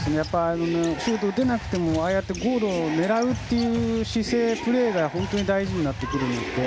シュートを打てなくてもゴールを狙うという姿勢、プレーが本当に大事になってくるので。